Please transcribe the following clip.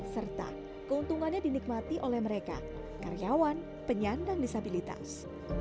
serta keuntungannya dinikmati oleh mereka karyawan penyandang disabilitas